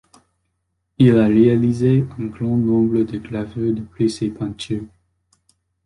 Il a réalisé un grand nombre de gravures d'après ses peintures.